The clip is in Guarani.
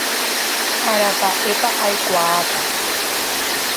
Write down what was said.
Araka'épa aikuaáta.